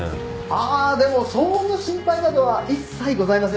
ああでも騒音の心配などは一切ございませんので。